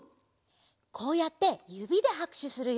こうやってゆびではくしゅするよ。